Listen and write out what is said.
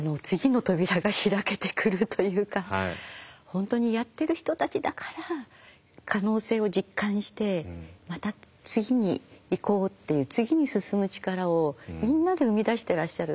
本当にやってる人たちだから可能性を実感してまた次に行こうっていう次に進む力をみんなで生み出していらっしゃる。